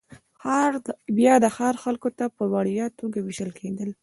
بیا د ښار خلکو ته په وړیا توګه وېشل کېدل